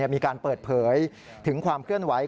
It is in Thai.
มีการเปิดเผยถึงความเคลื่อนไหว